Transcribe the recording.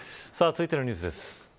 続いてのニュースです。